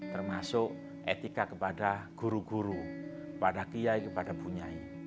termasuk etika kepada guru guru kepada kiai kepada bunyai